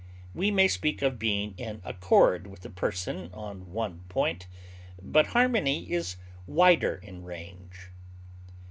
We may speak of being in accord with a person on one point, but harmony is wider in range.